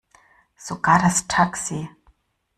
Sogar das Taxi.